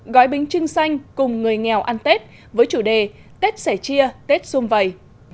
gói bánh trưng xanh cùng người nghèo ăn tết với chủ đề tết sẻ chia tết xung vầy